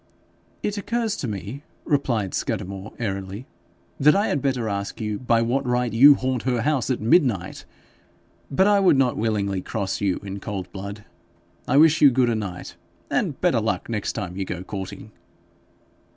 'It occurs to me,' replied Scudamore, airily, 'that I had better ask you by what right you haunt her house at midnight. But I would not willingly cross you in cold blood. I wish you good a night, and better luck next time you go courting.'